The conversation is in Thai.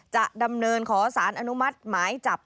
จะดำเนินขอสารอนุมัติหมายจับ